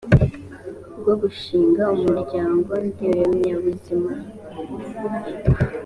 bwo gushinga umuryango ndemyabuzima